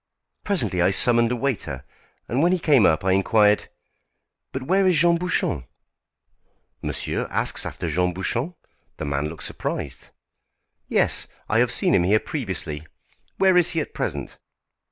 Presently I summoned a waiter, and when he came up I inquired: "But where is Jean Bouchon?" "Monsieur asks after Jean Bouchon?" The man looked surprised. "Yes, I have seen him here previously. Where is he at present?"